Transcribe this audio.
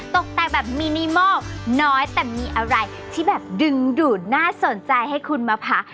ตกแต่งแบบมินิมอลน้อยแต่มีอะไรที่แบบดึงดูดน่าสนใจให้คุณมาพัก